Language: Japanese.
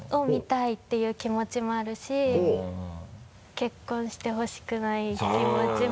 結婚してほしくない気持ちも。